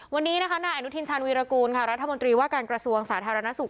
วันนี้นะคะนายอนุทินชาญวีรกูลค่ะรัฐมนตรีว่าการกระทรวงสาธารณสุข